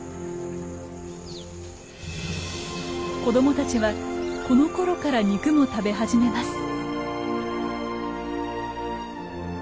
子供たちはこのころから肉も食べ始めます。